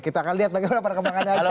kita akan lihat bagaimana perkembangannya